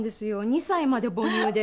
２歳まで母乳で。